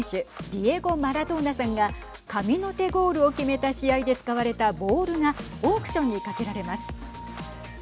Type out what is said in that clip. ディエゴ・マラドーナさんが神の手ゴールを決めた試合で使われたボールがオークションにかけられます。